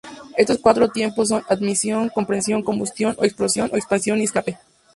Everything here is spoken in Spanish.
Estos cuatro tiempos son: admisión, compresión, combustión o explosión o expansión y escape.